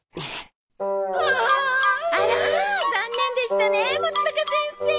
あら残念でしたねまつざか先生。